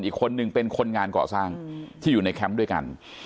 อีกคนนึงเป็นคนงานก่อสร้างที่อยู่ในแคมป์ด้วยกัน